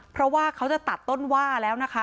เพราะว่าเขาจะตัดต้นว่าแล้วนะคะ